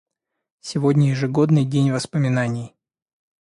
Сегодня — ежегодный день воспоминаний.